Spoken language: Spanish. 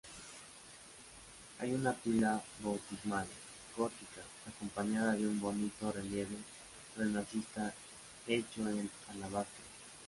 Hay una pila bautismal gótica acompañada de un bonito relieve renacentista hecho en alabastro.